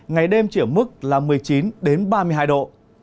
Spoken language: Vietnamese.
ngày đêm chỉ ở mức là một mươi chín ba mươi hai độ